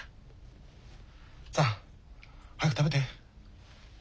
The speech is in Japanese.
さあ早く食べて。